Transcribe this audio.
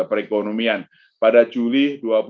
pada bulan juli dua ribu dua puluh satu